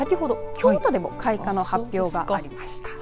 京都でも開花の発表がありました。